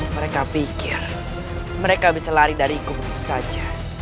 mereka pikir mereka bisa lari dari kubur itu saja